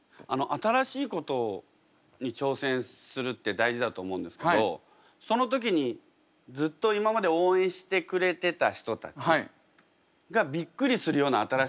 新しいことに挑戦するって大事だと思うんですけどその時にずっと今まで応援してくれてた人たちがびっくりするような新しいことも。